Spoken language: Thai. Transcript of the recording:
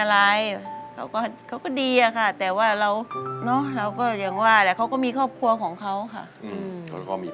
ลูกก็ไปเที่ยวยืมก็มาให้อย่างนี้